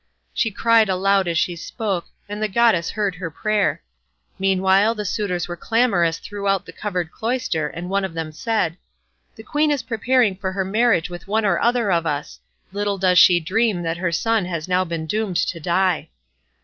She cried aloud as she spoke, and the goddess heard her prayer; meanwhile the suitors were clamorous throughout the covered cloister, and one of them said: "The queen is preparing for her marriage with one or other of us. Little does she dream that her son has now been doomed to die."